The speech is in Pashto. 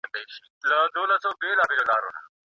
خپل ځان له دوړو څخه وساتئ.